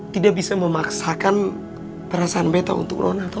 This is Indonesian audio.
tidak bisa memaksakan perasaan beta untuk nona tau